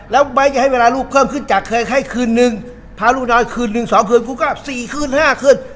แล้วไม่ให้เวลาคุณชอบขึ้นขึ้นขึ้นสี่ขึ้นห้าขึ้น